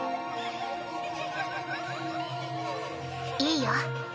いいよ